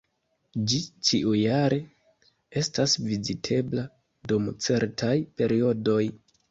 Ĝi ĉiujare estas vizitebla dum certaj periodoj.